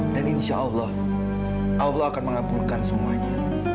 insya allah allah akan mengabulkan semuanya